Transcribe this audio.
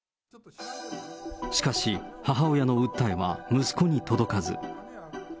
しかし、母親の訴えは息子に届かず。